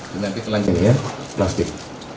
dengan titelan ini ya plastik